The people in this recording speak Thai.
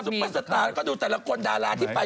มันเป็นสตาร์สสอนดูแต่ละคนดาราที่ไป